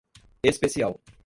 especial